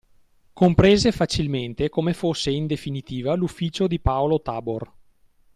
Comprese facilmente come fosse in definitiva l'ufficio di Paolo Tabor